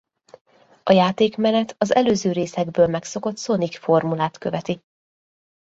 A játékmenet az előző részekből megszokott Sonic formulát követi.